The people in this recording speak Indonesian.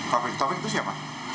topik itu siapa